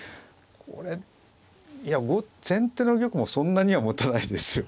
これいや先手の玉もそんなにはもたないですよ